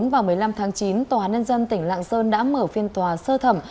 một mươi bốn và một mươi năm tháng chín tòa nân dân tỉnh lạng sơn đã mở phiên tòa sơ thẩm